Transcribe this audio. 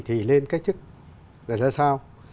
thì nên cách chức là ra sao